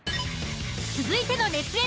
続いての熱演